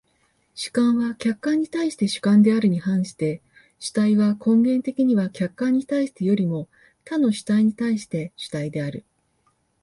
主観は客観に対して主観であるに反して、主体は根源的には客観に対してよりも他の主体に対して主体である。